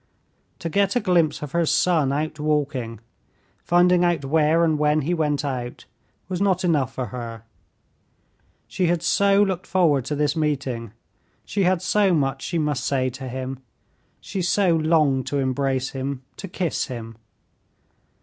To get a glimpse of her son out walking, finding out where and when he went out, was not enough for her; she had so looked forward to this meeting, she had so much she must say to him, she so longed to embrace him, to kiss him.